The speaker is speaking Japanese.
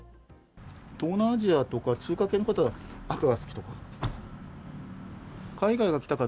東南アジアとか中華系の方は赤が好きとか。